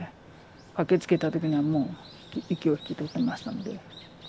駆けつけた時にはもう息を引き取ってましたので。